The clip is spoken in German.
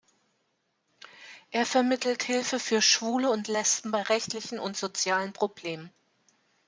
Er vermittelt Hilfe für Schwule und Lesben bei rechtlichen und sozialen Problemen.